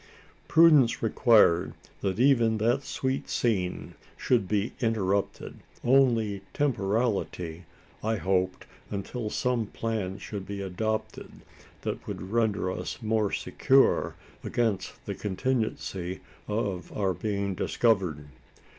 Prudence required that even that sweet scene should be interrupted only temporality, I hoped until some plan should be adopted, that would render us more secure against the contingency of our being discovered.